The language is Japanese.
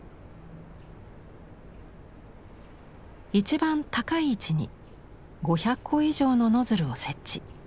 一番高い位置に５００個以上のノズルを設置。